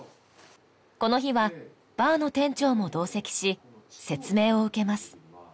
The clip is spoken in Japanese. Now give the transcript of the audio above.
この日はバーの店長も同席し説明を受けます